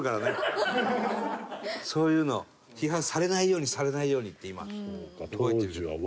そういうの批判されないようにされないようにって今。